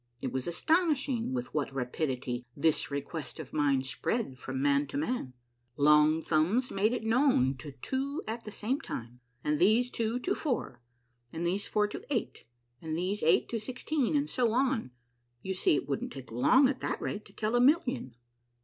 It was astonishing with what rapidity this request of mine spread from man to man. Long Thumbs made it known to two at A MABVELZOUS UNDERGROUND JOURNEY 103 the same time, and these two to four, and these four to eight, and these eight to sixteen, and so on. You see it wouldn't take long at that rate to tell a million.